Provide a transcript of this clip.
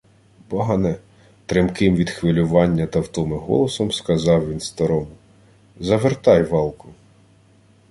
— Бане! — тремким від хвилювання та втоми голосом сказав він старому. — Завертай валку.